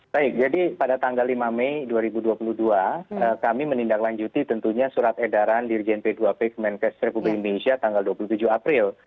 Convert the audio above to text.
baik jadi pada tanggal lima mei dua ribu dua puluh dua kami menindaklanjuti tentunya surat edaran dirjen p dua p ke menkes republik indonesia tanggal dua puluh tujuh april